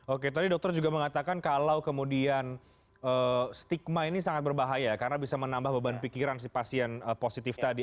oke tadi dokter juga mengatakan kalau kemudian stigma ini sangat berbahaya karena bisa menambah beban pikiran si pasien positif tadi